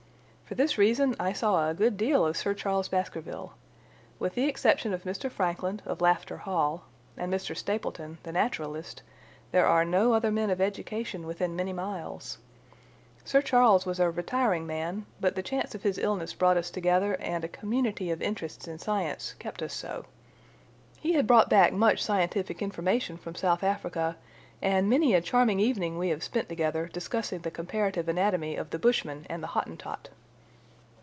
For this reason I saw a good deal of Sir Charles Baskerville. With the exception of Mr. Frankland, of Lafter Hall, and Mr. Stapleton, the naturalist, there are no other men of education within many miles. Sir Charles was a retiring man, but the chance of his illness brought us together, and a community of interests in science kept us so. He had brought back much scientific information from South Africa, and many a charming evening we have spent together discussing the comparative anatomy of the Bushman and the Hottentot.